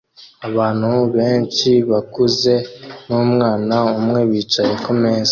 Abantu benshi bakuze numwana umwe bicaye kumeza